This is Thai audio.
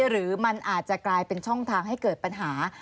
หรือมันอาจจะกลายเป็นช่องทางให้เกิดปัญหา